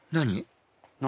何？